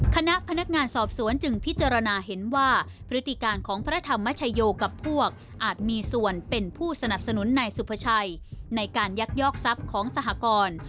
คณะพนักงานสอบสวนจึงพิจารณาเห็นว่าพฤติการของพระธรรมชโยกับพวกอาจมีส่วนเป็นผู้สนับสนุนนายสุภาชัยในการยักยอกทรัพย์ของสหกร